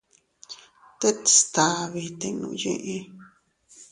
Tet stabi tinnu yiʼi.